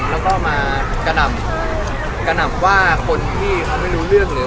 แล้วก็มากระหน่ำกระหน่ำว่าคนที่เขาไม่รู้เรื่องเลย